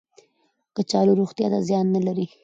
کچالو روغتیا ته زیان نه لري